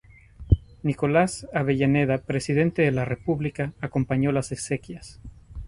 Nicolás Avellaneda, presidente de la República, acompañó las exequias.